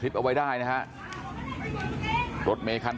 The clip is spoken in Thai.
สวัสดีครับคุณผู้ชาย